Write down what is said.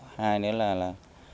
hai nữa là